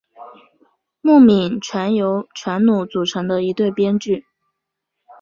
木皿泉由和泉努组成的一对编剧。